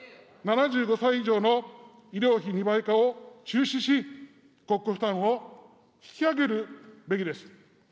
７５歳以上の医療費２倍化を中止し、国庫負担を引き上げるべきです。